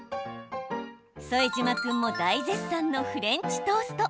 副島君も大絶賛のフレンチトースト。